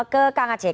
ke kang aceh